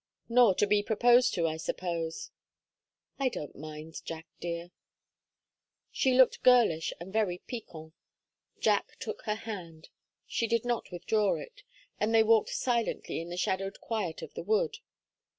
"Nor to be proposed to, I suppose?" "I don't mind, Jack dear." She looked girlish and very piquant. Jack took her hand. She did not withdraw it, and they walked silently in the shadowed quiet of the wood.